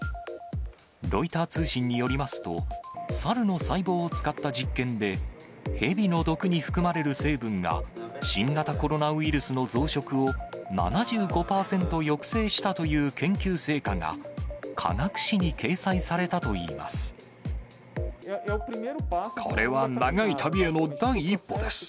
ロイター通信によりますと、サルの細胞を使った実験で、ヘビの毒に含まれる成分が、新型コロナウイルスの増殖を７５％抑制したという研究成果が、これは長い旅への第一歩です。